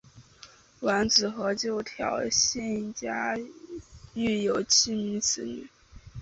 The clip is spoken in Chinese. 完子和九条幸家育有七名子女。